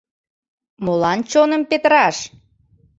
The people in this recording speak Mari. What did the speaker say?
Молан чоным петыраш?